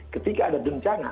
ketika ada bencana